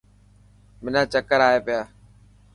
منا چڪر آئي پيا.